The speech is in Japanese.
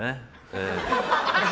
ええ。